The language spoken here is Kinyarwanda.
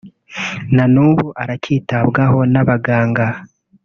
na n’ubu aracyitabwaho n’abaganga